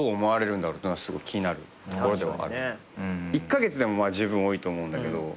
１カ月でもじゅうぶん多いと思うんだけど。